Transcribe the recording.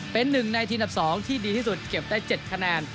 เป็นหนึ่งในทีมดับ๒ที่ดีที่สุดเก็บได้๗คะแนน